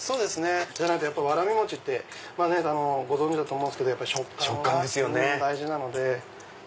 じゃないとわらび餅ってご存じだと思うんですけどやっぱり食感が大事なので。